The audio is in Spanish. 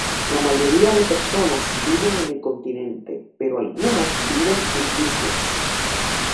La mayoría de personas viven en el continente, pero algunos viven en islas.